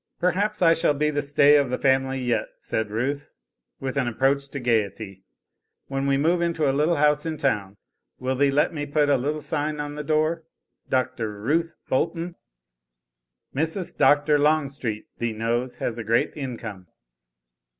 "Perhaps, I shall be the stay of the family, yet," said Ruth, with an approach to gaiety; "When we move into a little house in town, will thee let me put a little sign on the door: DR. RUTH BOLTON? Mrs. Dr. Longstreet, thee knows, has a great income."